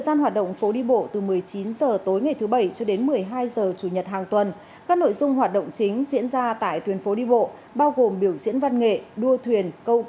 sáng ngày một mươi hai tháng ba tại thành phố điện biên phủ tỉnh điện biên